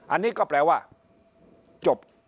อันนี้ก็แปลว่าจบ๙๙๐๐๑๐๐๑๐๐๑